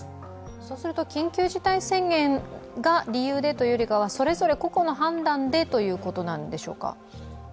そうすると緊急事態宣言が理由でというよりはそれぞれ、個々の判断でということなんでしょうか？